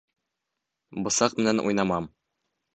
Бысаҡ менән уйнама.